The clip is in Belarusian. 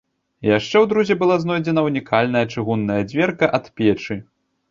Яшчэ ў друзе была знойдзеная ўнікальная чыгунная дзверка ад печы.